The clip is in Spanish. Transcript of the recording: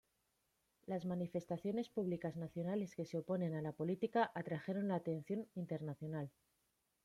Las manifestaciones públicas nacionales que se oponen a la política atrajeron la atención internacional.